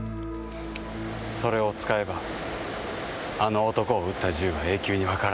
それを使えばあの男を撃った銃は永久にわからない。